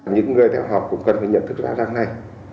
những người theo học cũng cần phải nhận thức ra rằng này